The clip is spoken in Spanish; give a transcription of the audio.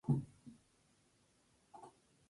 La sede del condado es Rutland.